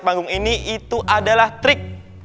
panggung ini itu adalah trik